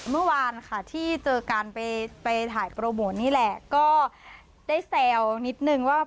เมื่อวานค่ะที่เจอกันไปถ่ายโปรโมทนี่แหละก็ได้แซวนิดนึงว่า